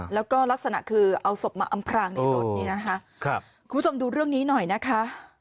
แล้วก็ลักษณะคือเอาศพมาอำพรางในรถนี่นะคะครับคุณผู้ชมดูเรื่องนี้หน่อยนะคะ